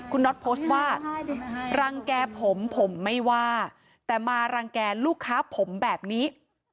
คุณน็อตโพสต์ว่ารังแก่ผมผมไม่ว่าแต่มารังแก่ลูกค้าผมแบบนี้